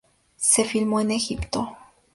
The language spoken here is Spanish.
Se filmó en Egipto.